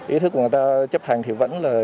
ý thức của người ta chấp hành thì vẫn là